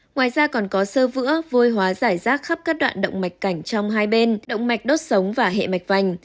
ngoài ra còn có sơ vữa vôi hóa giải rác khắp các đoạn động mạch cảnh trong hai bên động mạch đốt sống và hệ mạch vành